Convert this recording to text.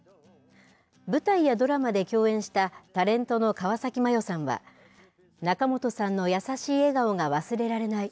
舞台やドラマで共演したタレントの川崎麻世さんは、仲本さんの優しい笑顔が忘れられない。